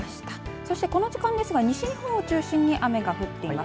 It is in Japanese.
そして、この時間ですが西日本を中心に雨が降っています。